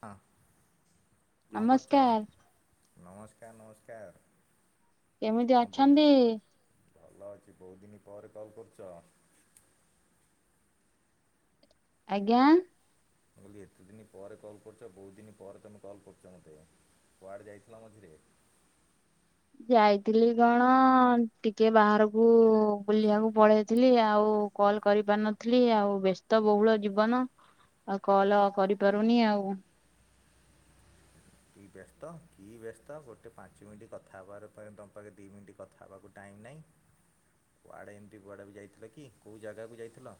ହଁ କଣ କରୁଛ? ନମସ୍କାର ନମସ୍କାର ନମସ୍କାର କେମିତି କଣ ଅଛନ୍ତି? ବୋଧ ଭଲ ଅଛି ବହୁତ ଦିନ ପରେ କଲ୍ କରୁଛ? ଆଜ୍ଞା। କହିଲି ଏତେ ଦିନ ପରେ କଲ୍ କରୁଛ ବହୁତ ଦିନ ପରେ ତୁମେ କଲ୍ କରୁଛ ମୋତେ। କୁଆଡ଼େ ଯାଇଥିଲ ମଝିରେ। ଯାଇଥିଲି କଣ ଟିକେ ବାହାରକୁ ବୁଲିବାକୁ ପଳେଇଥିଲି ଆଉ। କଲ କରି ପାରିନଥିଲି ଆଉ ବ୍ୟସ୍ତ ବହୁଳ ଜୀବନ। ଆଉ କଲ କରିପାରୁନି ଆଉ। କି ବ୍ୟସ୍ତ କି ବ୍ୟସ୍ତ ଗୋଟେ ପାଞ୍ଚ ମିନିଟ୍ କଥା ହେବାର ଉପର ପାଖେ ଦି ମିନିଟ୍ କଥା ହେବାକୁ ଟାଇମ୍ ନାହିଁ କୁଆଡ଼େ ଏମିତି କୁଆଡ଼େ ବି ଯାଇଥିଲ କି କେଉଁ ଜାଗାକୁ ଯାଇଥିଲ?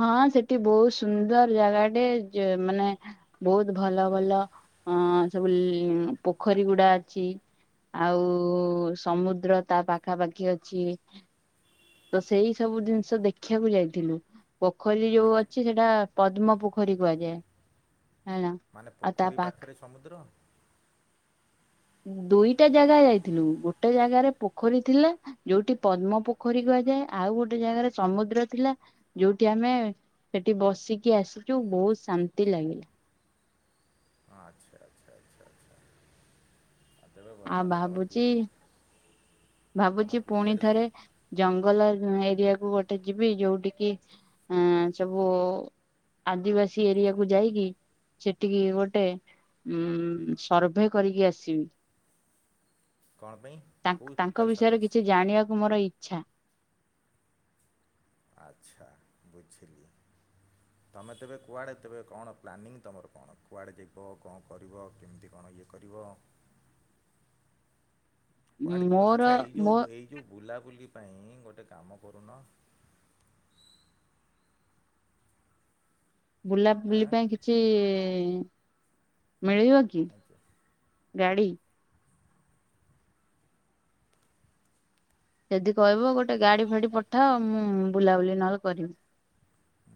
ହଁ ସେଠି ବହୁତ ସୁନ୍ଦର ଜାଗା ଟେ ଜ ମାନେ ବହୁତ ଭଲ ଭଲ ଅ ସବୁ ଇ ପୋଖରୀ ଗୁଡା ଅଛି। ଆଉ ସମୁଦ୍ର ତା ପାଖାପାଖି ଅଛି। ତ ସେଇ ସବୁ ଜିନିଷ ଦେଖିବାକୁ ଯାଇଥିଲୁ। ପୋଖରୀ ଯୋଉ ମାନେ ଅଛି ସେଟା ପଦ୍ମ ପୋଖରୀ କୁହାଯାଏ। ହେଲା ମାନେ ଆଉ ତା ପୋଖରୀ ପାକ ପାଖରେ ସମୁଦ୍ର। ଦୁଇଟା ଜାଗା ଯାଇଥିଲୁ ଗୋଟେ ଜାଗାରେ ପୋଖରୀ ଥିଲା। ଯୋଉଠି ପଦ୍ମ ପୋଖରୀ କୁହାଯାଏ ଆଉ ଗୋଟେ ଜାଗାରେ ସମୁଦ୍ର ଥିଲା ଯୋଉଠି ଆମେ ସେଠି ବସିକି ଆସିଛୁ ବହୁତ ଶାନ୍ତି ଲାଗିଲା। ହଁ ଆଛା ଆଛା ଆଛା ଆଛା। ଆଉ ଭାବୁଛି ତମେ ଭାବୁଛି ପୁରୀ ପୁଣି ଆଡ଼େ ଥରେ ତେବେ ଜଙ୍ଗଲ ଏ ଏରିଆକୁୁ ଗୋଟେ ଯିବି ଯୋଉଠିକି ଇ ସବୁ ଆଦିବାସୀ ଏରିଆକୁୁ ଯାଇକି ସେଠିକି ଗୋଟେ ଉ ସର୍ଭେ କରିକି ଆସିବି? କଣ ପେଇଁ? ତା ତାଙ୍କ ବିଷୟରେ କିଛି ଜାଣିବାକୁ ମୋର ଇଚ୍ଛା। ଆଛା ବୁଝିଲି। ତୁମେ ତେବେ କୁଆଡ଼େ ତେବେ କଣ ପ୍ଲାନିଂ ତୁମର କଣ କୁଆଡ଼େ ଯିବ କଣ କରିବ କେମିତି କଣ ଇଏ କରିବ? କୁଆଡ଼େ ଯିବା ଆଛା ମୋର ଏଇ ମୋ ଯୋଉ ଏଇ ଯୋଉ ବୁଲାବୁଲି ପାଇଁ ଗୋଟେ କାମ କରୁନ। ବୁଲାବୁଲି ଏଁ ପାଇଁ କିଛି ମିଳିବ କି? ଆଚ୍ଛା ଗାଡି। ଯଦି କହିବ ଗୋଟେ ଗାଡି ଫାଡି ପଠାଅ ମୁଁ ବୁଲାବୁଲି ନଅଲେ କରିବି।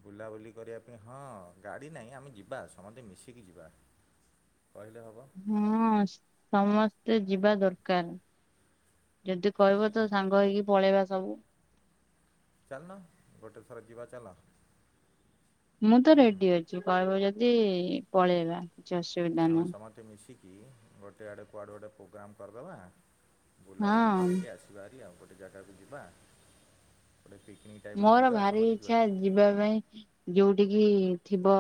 ବୁଲାବୁଲି କରିବା ପାଇଁ ହଁ ଗାଡ଼ି ନାହିଁ ଆମେ ଯିବା ସମତେ ମିଶିକି ଯିବା। କହିଲେ ହବ। ହଁ ସମସ୍ତେ ଯିବା ଦରକାର। ଯଦି କହିବ ତ ସାଙ୍ଗ ହେଇକି ପଳେଇବା ସବୁ। ଚାଲୁନ ଗୋଟେ ଥର ଯିବା ଚାଲ। ମୁଁ ତ ହୁଁ ରେଡି ଅଛି କହିବ ଯଦି ପଳେଇବା କିଛି ଅସୁ ଆମେ ସମତେ ମିଶିକି ଗୋଟେ ଆଡ଼େ କୁଆଡ଼ୁ ଗୋଟେ ପୋଗ୍ରାମ୍ କରିଦବା। ବୁଲାବୁଲି ହଁ କରିକି ଆସିବା ଭାରି ଆଉ ଗୋଟେ ଜାଗାକୁ ଯିବା। ଗୋଟେ ପିକନିକ୍ ଟାଇପର ମୋର ଯିବା ଭାରି ସମତିକି ବା ଇଚ୍ଛା ଯିବା ପାଇଁ ଯୋଉଠିକି ଥିବ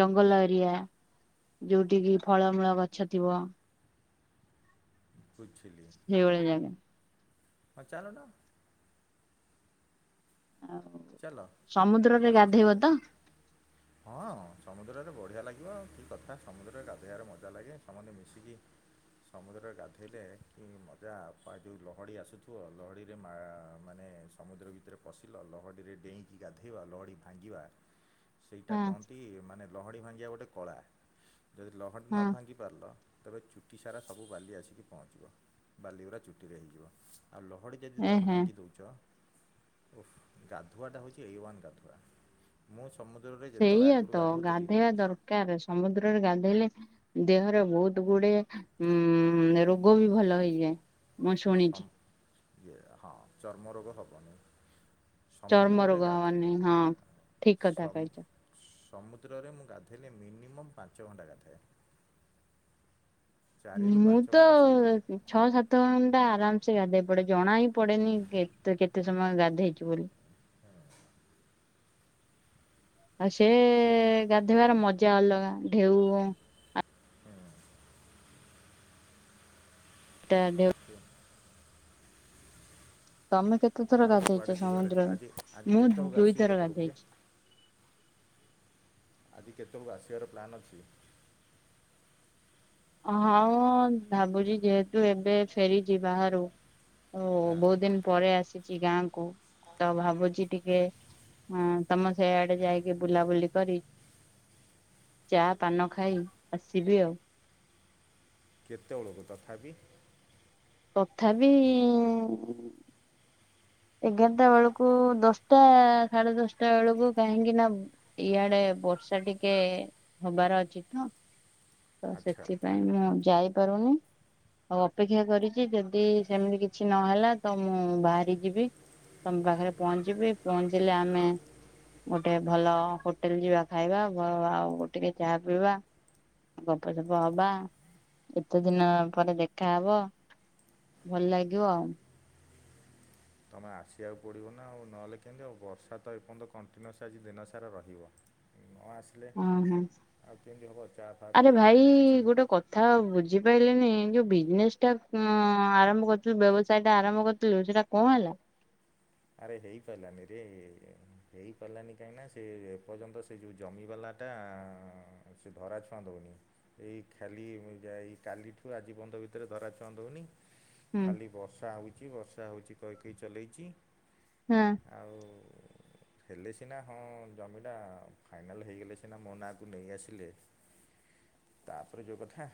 ଜଙ୍ଗଲ ଏରିଆ। ଯୋଉଠିକିି ଫଳମୂଳ ଗଛ ଥିବ। ବୁଝିଲି। ସେଇଭଳିଆ ଜାଗା। ହଁ ଚାଲୁନ। ଆଉ ଚାଲ ସମୁଦ୍ରରେ ଚାଲ ଗାଧେଇବ ସ୍ୟାଡ଼େଯିବା। ତ? ହଁ ସମୁଦ୍ରରେ ବଢ଼ିଆ ଲାଗିବ ଆଉ କି କଥା ସମୁଦ୍ରରେ ଗାଧେଇବାରେ ମଜା ଲାଗେ ସମତେ ମିଶିକି ସମୁଦ୍ରରେ ଗାଧେଇଲେ କି ମଜା ପା ଯୋଉ ଲହଡ଼ି ଆସୁଥୁବ ଲହଡ଼ିରେ ମା ମାନେ ସ୍ ସମୁଦ୍ର ଭିତରେ ପଶିଲ ଲହଡି ରେ ଡେଇଁକି ଗାଧେଇବା ଲହଡି ଭାଙ୍ଗିବା ହଁ ସେଇଟା କହନ୍ତି ମାନେ ଲହଡ଼ି ଭାଙ୍ଗିବା ଗୋଟେ କଳା ଯଦି ଲହଡ଼ି ନ ହଁ। ଭାଙ୍ଗି ପାରଲ ତେବେ ଚୁଟି ସାରା ସବୁ ବାଲି ଆସିକି ପହଞ୍ଚିବ। ବାଲିଉରା ଚୁଟିରେ ହେଇଯିବ ଆଉ ଲହଡ଼ି ଯଦି ତମେ ଏହେ ଭାଙ୍ଗି ଦୋଉଚ ଓ ଗାଧୁଆଟା ହୋଉଚି ଏ ୱାନ୍ ଗାଧୁଆ। ମୁଁ ସମୁଦ୍ରରେ ଯେତଳେ ଆଗରୁ ଗାଧୋଉଥିଲି କାର ସମୁଦ୍ରରେ ଗାଧୋଇଲେ ଦେହର ବୋହୁତ ଗୁଡିଏ ଉଁ ରୋଗ ବି ଭଲ ହେଇଯାଏ ମୁଁ ସମ ଶୁଣିଚି। ଇଏ ହଁ ଚର୍ମ ରୋଗ ହବନେଇ। ଚର୍ମ ରୋଗ ହବନେଇ ହଁ ଠିକକଥା ସମ କହିଚ। ସମୁଦ୍ରରେ ମୁଁ ଗାଧେଇଲେ ମିନିମମ୍ ପାଞ୍ଚ ଘଣ୍ଟା ଗାଧାଏ। ଚାରିରୁ ମୁଁ ପାଞ୍ଚ ତ ଘଣ୍ଟା ସମୁଦ୍ରରେ ଅ ଛଅ ସାତ ଘଣ୍ଟା ଆରାମସେ ଗାଧେଇପଡେ ଜଣା ହିଁ ପଡେନି କେତେ କେତେ ସମୟ ଗାଧେଇଚି ବୋଲି। ହଁ। ଆଉ ସେ ସିଏ ଗାଧେଇବାର ମଜା ଅଲଗା ଢେଉ ହୁଁ। ଟା [inaudible] ତମେ କେତେ ଥର ଆଉ କୁଆଡ଼େ ଗାଧେଇଚ ଯିବାର ଅଛି ସମୁଦ୍ରରେ ଆଜି ଆଜି ମୁଁ କେତେବେଳକୁ ଆସିବ ଦୁଇଥର କେତେବେଳକୁ ଯେ ଗାଧେଇଚି। ଆଜି କେତୋଳକୁ ଆସିବାର ପ୍ଲାନ୍ ଅଛି? ହଁ ଭାବୁଚି ଯେହେତୁ ଏବେ ଫେରିଚି ବାହାରୁ ଓ ହଁ ବୋହୁତ ଦିନ ପରେ ଆସିଚି ଗାଁକୁ ତ ଭାବୁଚି ଟିକେ ହଁ ତମ ସେ ଆଡେ ଯାଇକି ବୁଲାବୁଲି କରି ଚା ପାନ ଖାଇ ଆସିବି ଆଉ। କେତେବେଳକୁ ତଥାପି? ତଥାପି ଏଗାରଟା ବେଳକୁ ଦଶଟା ସାଢେ ଦଶଟା ବେଳକୁ କାହିଁକିନା ଇଆଡେ ବର୍ଷା ଟିକେ ହବାର ଅଛି ତ। ତ ଆଚ୍ଛା ସେଥିପାଇଁ ମୁଁ ଯାଇପାରୁନି। ଆଉ ଅପେକ୍ଷା କରିଚି ଯଦି ସେମିତି କିଛି ନହେଲା ତ ମୁଁ ବାହାରି ଯିବି। ତମ ପାଖରେ ପହଞ୍ଚିବି ପହଞ୍ଚିଲେ ଆମେ ଗୋଟେ ଭଲ ହୋଟେଲ ଯିବା ଖାଇବା ଆଉ ଟିକେ ଚାହା ପିଇବା। ଗପସପ ହବା ଏତେ ଦିନ ପରେ ଦେଖା ହବ। ଭଲ ଲାଗିବ ଆଉ। ତୁମେ ଆସିବାକୁ ପଡ଼ିବ ନା ଆଉ ନହେଲେ କେମିତି ଆଉ ବର୍ଷା ତ ଏପର୍ଯ୍ୟନ୍ତ କଣ୍ଟିନ୍ୟୁଅସ୍ ଆଜି ଦିନସାରା ରହିବ। ନ ଆସିଲେ ଓହୋ ଆଉ କେମିତି ହେବ ଚା ଫାଆ ପିଆ ଏନି କିଛି ନହିଁ। ହଁ ବୁଝିପାଇଲେନି ଯୋଉ ବିଜ୍ ନେସ୍ ଟା ଆରମ୍ଭ କରିୁଥିଲୁ ବ୍ୟବସାୟ ଟା ଆରମ୍ଭ କରୁଥିଲୁ ସେଟା କଁ ହେଲା? ଆରେ ହେଇପାଇଲାନି ରେ। ହେପାରିଲାନି କାହିଁକିନା ସେ ଏପର୍ଯ୍ୟନ୍ତ ସେ ଯେଉଁ ଜମିବାଲାଟା ସେ ଧରାଛୁଆଁ ଦୋଉନି। ଏଇ ଖାଲି ଯାଇ କାଲିଠୁ ଆଜି ପନ୍ତ ଭିତରେ ଧରାଛୁଆ ଦୋଉନି। ହୁଁ ଖାଲି ବର୍ଷା ହୋଉଚି ବର୍ଷା ହୋଉଚି କହିକି ଚଲେଇଚି। ହୁଁ। ଆଉ ହେଲେ ସିନା ହଁ ଜମିଟା ଫାଇନାଲ୍ ହେଇଗଲେ ସିନା ମୋ ନାଁକୁ ନେଇଆସିଲେ ତାପରେ ଯୋଉ କଥା।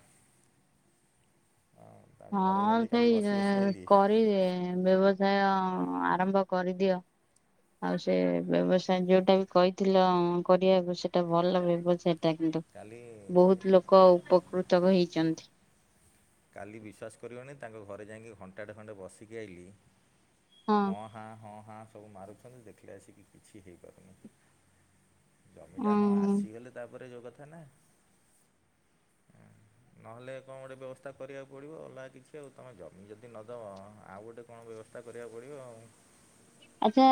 ଅଁ, ତାଙ୍କ ହଁ ଘରେ ଗଲି କାଲି ସେଇ ବସି ବସି ଆଇଲି କରିଦିଏ। ବ୍ୟବସାୟ ଆରମ୍ଭ କରିଦିଅ। ଆଉ ସେ ବ୍ୟବସାୟ ଯୋଉଟା ବି କହିଥିଲ କରିବାକୁ ସେଟା ଭଲ ବ୍ୟବସାୟ। ଟା କିନ୍ତୁ କାଲି ବହୁତ ଲୋକ ଉପକୃତ ହେଇଚନ୍ତି। କାଲି ବିଶ୍ୱାସ୍ କରିବନି ତାଙ୍କ ଘରେ ଯାଇଁକି ଘଣ୍ଟାଟେ ଖଣ୍ଡେ ବସିକି ଆଇଲିି। ହଁ ହାଁ ହଁ ହାଁ ସବୁ ମାରୁଛନ୍ତି ଦେଖିଲେ ଆସିକି କିଛି ହେଇପାରୁନି। ଜମିଟା ହଁ ଉଁ ଆସିଗଲେ ତାପରେ ଯୋଉ କଥା ନା। ନହଲେ କଣ ଗୋଟେ ବ୍ୟବ ତା କରିବାକୁ ପଡ଼ିବ ଅଲଗା କିଛି ଆଉ ତମେ ତ ଯଦି ନଦବ ଆଉ ଗୋଟେ କଣ ବ୍ୟବସ୍ତା କରିବାକୁ ପଡ଼ିବ ଆଉ। ଆଚ୍ଛା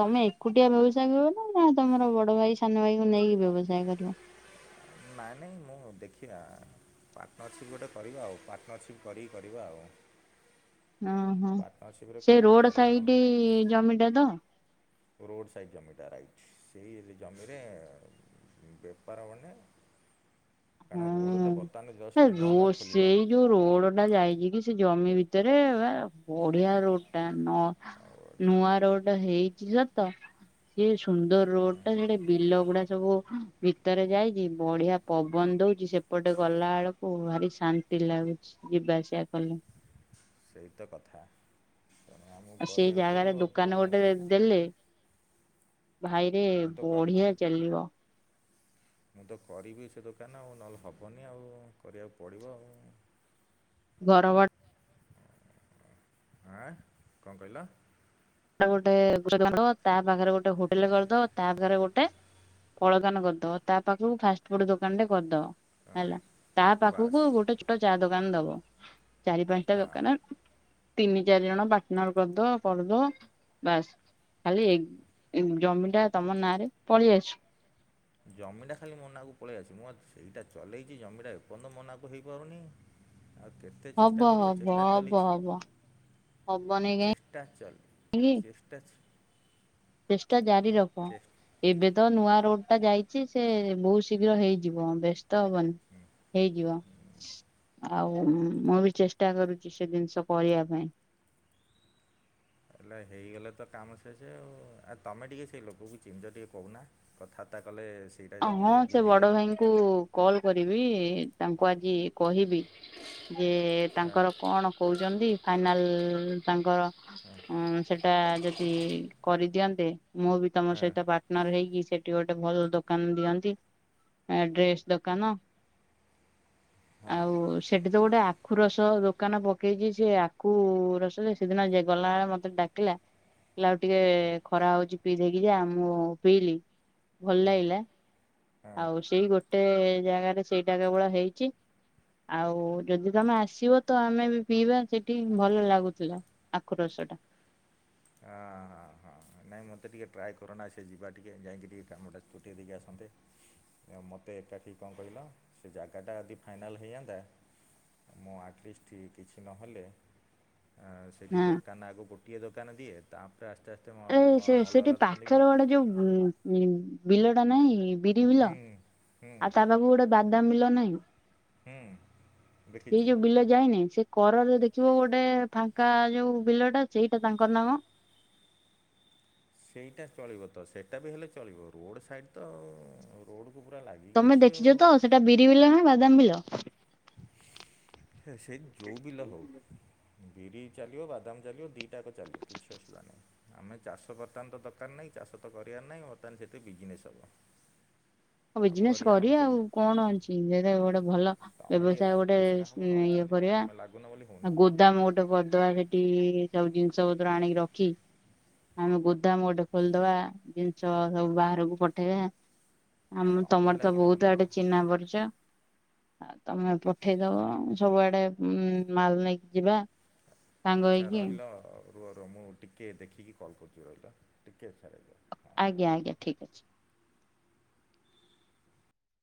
ତମେ ଏକୁଟିଆ ବ୍ୟବସାୟ କରିବ ନା ନା ତମର ବଡ ଭାଇ ସାନ ଭାଇକୁ ନେଇକି ବ୍ୟବସାୟ କରିବ? ନାଇଁ ନାଇଁ ମୁଁ ଦେଖିବା। ପାର୍ଟନରସିପ୍ ଗୋଟେ କରିବା ଆଉ ପାର୍ଟନରସିପ୍ କରିକି କରିବା ଆଉ। ଓ ହୋ ପାର୍ଟନରସିପ୍ରେ ସେ କରିକି ରୋଡ କରିବା ସାଇଡି ନହେଲେ ଜମିଟା ତ। ରୋଡ଼ ସାଇଡ଼୍ ଜମିଟା ରାଇଟ୍ ସେଇ ଜମିରେ ବେପାର ମାନେ କାରଣ ରୋଡ଼ଟା ବର୍ତ୍ତମାନେ ହୁଁ। ଜଷ୍ଟ୍ ନୂଆ ରୋ ନୂଆ ଖୋଲିଲା। ସେଇ ଯୋଉ ରୋଡ ଟା ଯାଇଚି କି ସେ ଜମି ଭିତେରେ ବା ବଢିଆ ରୋଡ୍ ଟା ନ ଆଉ ନୂଆ ରୋଡ ହେଇଚି ସତ। ଏ ସୁନ୍ଦର୍ ରୋଡ୍ ଟା ସେଟି ବିଲ ଗୁଡା ସବୁ ଭିତରେ ଯାଇଚି ବଢିଆ ପ ବନ୍ ଦୋଉଚି ସେପଟେ ଗଲା ବେଳକୁ ଭାରି ଶାନ୍ତି ଲାଗୁଛି ଯିବା ଆସିବା କଲେ। ସେଇ ତ କଥା ତେଣୁ ଆମକୁ ଆଉ ସେଇ କରିବାକୁ ଜାଗାରେ ଦୋକାନ ପଡ଼ିବ। ଗୋଟେ ଦେଲେ ଭାଇରେ ମୁଁ ତ କରିବି ବଢିଆ ଚାଲିବ। ମୁଁ ତ କରିବି ସେ ଦୋକାନ ଆଉ ନହେଲେ ହେବନି ଆଉ କରିବାକୁ ପଡ଼ିବ ଆଉ। ଘର ବ ଆଁ କଁ କହିଲ? ଗୋଟେ ତା ପାଖେରେ ଗୋଟେ ହୋଟେଲ କରିଦବ ତା ପାଖେରେ ଗୋଟେ ପଳକାନ କରିଦ ତା ପାଖକୁ ଫାଷ୍ଟ୍ ଫୁଡ ଦୋକାନ ରେ କରିଦବ ହେଲା ତା ବାସ୍ ପାଖକୁ ଗୋଟେ ଛୋ ଟ ଚା ଦୋକାନ୍ ଦବ ଚାରି ପାଞ୍ଚଟା ହଁ ଦୋକାନ ତିନି ଚାରି ଜଣ ପାଟନର କରିଦ କରିଦ। ବାସ୍ ଖାଲି ଏ ଜମିଟା ତମ ନାଁରେ ପଳି ଆସୁ। ଜମିଟା ଖାଲି ମୋ ନାକୁ ପଳେଇ ଆସୁ, ମୁଁ ସେଇଟା ଚଲେଇଚି ଜମିଟା ଏପନ୍ତ ମୋ ନାକୁ ହେଇପାରୁନି। ଆ କେେ ତେ ଚେଷ୍ଟା ହବ କରିବ ହବ ଚେଷ୍ଟା ହବ ଚାଲିଛି ହବ ହବନି ଚେଷ୍ଟା ଚ କାହିଁକି ଚେ ଟାଚ୍ ଚେଷ୍ଟା ଜାରି ରଖ। ଏବେ ତ ନୂଆ ରୋଡ ଟା ଯାଇଛି ସେ ବହୁତ ଶୀଘ୍ର ହେଇଯିବ ବସ୍ତ ତ ହବନି ହେଇଯିବ ଆଉ ମୁଁ ବି ଚେଷ୍ଟା କରୁଛି ସେ ଜିନିଷ କରିବା ପାଇଁ ହେଲା ହେଇଗଲେ ତ କାମ ସେେଷ ଆଉ ଆଉ ତମେ ଟିକେ ସେଇ ଲୋକକୁ ଚିମିଛ ଟିକେ କହୁନା କଥାାର୍ତ୍ତା କଲେ ସେଇଟା ଯଦି ଯଦି ହେଇଯାନ୍ତା କ କଲ କରିବି ତାଙ୍କୁ ଆଜି କହିବି ଯେ ତାଙ୍କର କଣ କହୁଛନ୍ତି ଫାଇନାଲ ତାଙ୍କର ସେ ଟା ଯଦି କରିଦିଅନ୍ତେ ମୁଁ ବି ତମ ହଁ ସହିତ ପାର୍ଟନର ହେଇକି ସେଠି ଗୋଟେ ଭଲ ଦ ଦି ଡ ହଁ ଆ ହଁ ସେଠି ତ ଗୋଟେ ଆଖୁ ରସ ଦୋକାନ ପକେଇଛି ସେ ଆଖୁ ରସ ସେଦିନ ଗଲାବେଳେ ମତେ ଡା ିଲ [inaudible] ହେ ଆଉ ଟିକେ ଖରା ହଉଛି ପିଇଧେଇକି ଯା ମୁଁ ପିଇଲି ଭଲ ହଁ ଲାଗିଲା ହଁ ଆଉ ସେଇ ଗୋଟେ ଜାଗାରେ ସେଇଟା କେବଳ ହେଇଛି ଆଉ ଯଦି ତମେ ଆସିବ ତ ଆମେ ବି ପିଇବା ସେଠି ଭଲ ଲାଗୁଥିଲା ଆକ୍ରୋଶ ଟା ହଁ ହଁ ହଁ ନାଇଁ ମୋତେ ଟିକିେ ଟ୍ରାଏ କରନା ସେ ଯିବା ଟିକିେ ଯାଇକି ଟିକେ କାମଟା ଚୁଟିାଇ ଦେଇକି ଆସନ୍ତେ ଆ ମୋତେ ଏକାଠି କଣ କହିଲ ସେ ଜାଗାଟା ଯଦି ଫାଇନାଲ୍ ହେଇଯାନ୍ତା ମୁଁ ଆଟଲିଷ୍ଟ କିଛି ନହେଲେ ସେଇଠି ହଁ। ଦୋକାନ ଆଗ ଗୋଟିଏ ଦୋକାନ ଦିଏ ତାପରେ ଆସ୍ତେ ଆସ୍ତେ ଏରେ ଅଲଗା ସେ ସେଠି ଅଲଗା ଦୋକାନ ଦେବି ପାଖର ଗୋଟେ ଯୋଉ ବିଲଟା ନାଇଁ ବିରି ବିଲ ହୁଁ ହୁଁ ଆଉ ତା ପାଖକୁ ଗୋଟେ ବାଦାମ ବିଲ ନାହିଁ ହଁ ସେଇ ଯୋଉ ବିଲା ଯାଇନି ସେ କରରେ ଦେଖିବ ଗୋଟେ ଫାଙ୍କା ଯୋଉ ବିଲ ଟା ସେଇଟା ତାଙ୍କର ନାମ ସେଇଟା ଚଳିବ ତ ସେଇଟା ବି ହେଲେ ଚଳିବ ରୋଡ଼ ସାଇଡ଼୍ ତ ରୋଡ କ ପୁରା ଲାଗିବ ତମେ ଦେଖିଛ ତ ସେଟା ବିରି ବିଲ ନା ବାଦାମ ବିଲ ହେ ସେଇ ଯେଉଁ ବିଲା ହେଉ ବିରି ଚାଲିବ ବାଦାମ ଚାଲିବ ଦିଇଟାକ ଚାଲିବ କିଛି ଆସିଲା ନାହିଁ ଆମେ ଚାଷ ବର୍ତ୍ତମାନ ତ ଦରକାର ନାହିଁ ଚାଷ ତ କରିବାର ନାହିଁ ବର୍ତ୍ତମାନ ସେତେ ବିଜନେସ୍ ହବ [inaudible] ହ ବିଜନେସ କରି ଆଉ କଣ ଅଛି ଗୋଟେ ଭଲ ତମେ ଟିକେ ବ୍ୟବସାୟ ଗୋଟେ ଲାଗିଲେ ସିନା ହବ ନହେଲେ କିନ୍ି ହେବ ତମେ ଲାଗୁନ ବୋଲି ଶୁନି ଦାମ ଗୋଟେ ପଦବା ସେଠି ସବୁ ଜିନିଷ ପତ୍ର ଆଣିକି ରଖି ଆମେ ଗୋଦାମ ଗୋଟେ ଖୋଲିଦବା ଜିନିଷ ସବୁ ବାହାରକୁ ପଠେଇବା ଆମ ତମେ ତମର ତ ଲାଗିଲେ ହନ୍ତା ବହୁତ ବା। ଆଡେ ଚିହ୍ନା ପରିଛ ଆଉ ତମେ ପଠେଇଦବ ସବୁଆଡେ ଉ ମାଲ ନେଇକି ଯିବା ସାଙ୍ଗ ଆଚ୍ଛା ହେଇକି ରହିଲ ରୁର ମୁଁ ଟିକିଏ ଦେଖିକି କଲ୍ କରୁଛି ରହିଲା ଟିକେଏ ଆ୍ଛା ରହିଲ ଆଜ୍ଞା ଆ୍ଞା ଠିକ ଅଛି